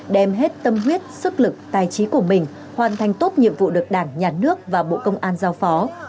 đem hết tâm huyết sức lực tài trí của mình hoàn thành tốt nhiệm vụ được đảng nhà nước và bộ công an giao phó